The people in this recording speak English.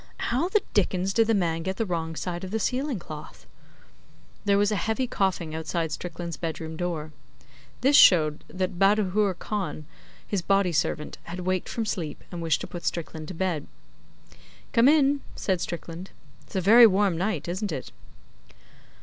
How the dickens did the man get the wrong side of the ceiling cloth?' There was a heavy coughing outside Strickland's bedroom door. This showed that Bahadur Khan, his body servant, had waked from sleep and wished to put Strickland to bed. 'Come in,' said Strickland. 'It's a very warm night, isn't it?